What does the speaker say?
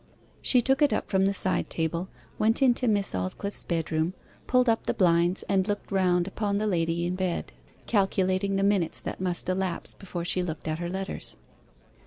She took it up from the side table, went into Miss Aldclyffe's bedroom, pulled up the blinds, and looked round upon the lady in bed, calculating the minutes that must elapse before she looked at her letters.